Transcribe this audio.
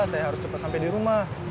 saya harus cepat sampai di rumah